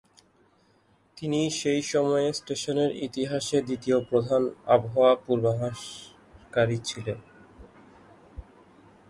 তিনি সেই সময়ে স্টেশনের ইতিহাসে দ্বিতীয় প্রধান আবহাওয়া পূর্বাভাসকারী ছিলেন।